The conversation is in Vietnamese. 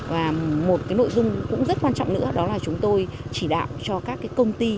và một nội dung cũng rất quan trọng nữa đó là chúng tôi chỉ đạo cho các công ty du lịch